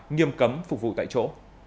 nghiêm cấm phục vụ tại chỗ